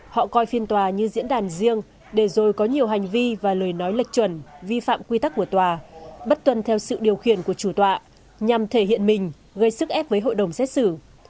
họ coi phiên tòa như diễn đàn riêng để rồi có nhiều hành vi và lời nói lệch chuẩn vi phạm quy tắc của tòa bất tuân theo sự điều khiển của chủ tọa nhằm thể hiện mình gây sức ép với hội đồng xét xử